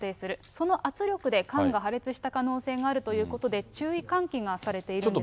その圧力で缶が破裂した可能性があるということで、注意喚起がされているんですね。